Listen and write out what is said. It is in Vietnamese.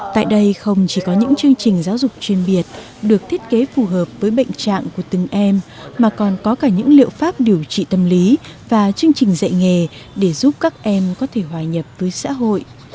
tại đây không chỉ có những chương trình giáo dục chuyên biệt được thiết kế phù hợp với bệnh trạng của từng em mà còn có cả những liệu pháp điều trị tâm lý và chương trình dạy nghề để giúp các em có thể hòa nhập với xã hội